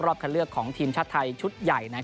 คันเลือกของทีมชาติไทยชุดใหญ่